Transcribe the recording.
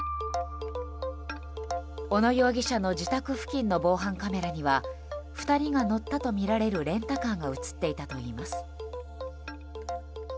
小野容疑者の自宅付近の防犯カメラには２人が乗ったとみられるレンタカーが映っていたといいます。